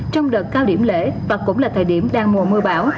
trong đợt cao điểm lễ và cũng là thời điểm đang mùa mưa bão